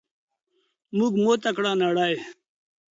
موږ ماته کړه نړۍ!